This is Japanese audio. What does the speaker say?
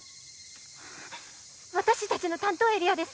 私達の担当エリアです